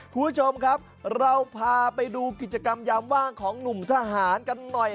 คุณผู้ชมครับเราพาไปดูกิจกรรมยามว่างของหนุ่มทหารกันหน่อย